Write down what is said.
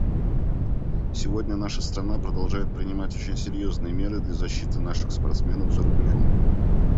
Сегодня наша страна продолжает принимать очень серьезные меры для защиты наших спортсменов за рубежом.